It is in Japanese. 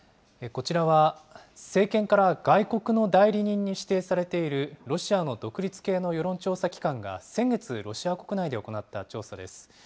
こちらは、政権から外国の代理人に指定されているロシアの独立系の世論調査機関が、先月ロシア国内で行った調査です。